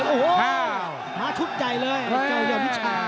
โอ้โหมาชุดใหญ่เลยเจ้ายอดวิชา